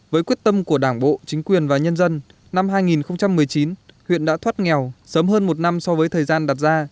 với quyết tâm của đảng bộ chính quyền và nhân dân năm hai nghìn một mươi chín huyện đã thoát nghèo sớm hơn một năm so với thời gian đặt ra